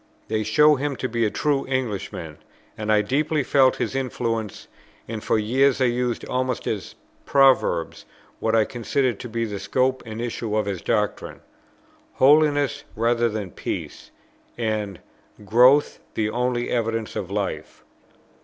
They show him to be a true Englishman, and I deeply felt his influence; and for years I used almost as proverbs what I considered to be the scope and issue of his doctrine, "Holiness rather than peace," and "Growth the only evidence of life."